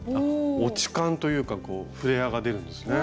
落ち感というかフレアが出るんですね。